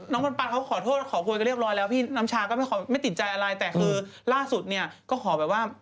น้องพนฟัทเขาขอโทษแล้วก็เรียบร้อยแล้วที่น้ำชาว์ก็ไม่ติดใจอะไรแต่คือล่าสุดเนี่ยก็ขอแบบว่า